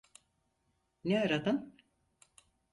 Ne aradın?